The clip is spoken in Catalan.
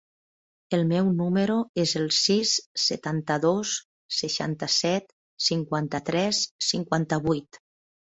El meu número es el sis, setanta-dos, seixanta-set, cinquanta-tres, cinquanta-vuit.